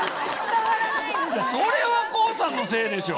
それはＫＯＯさんのせいでしょ。